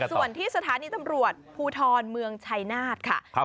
ส่วนที่สถานีตำรวจภูทรเมืองชัยนาธค่ะ